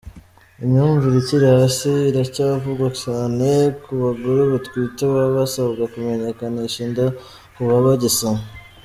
imyumvire ikiri hasi iracyavugwa cyane ku bagore batwite baba basabwa kumenyekanisha inda kuva bagisama.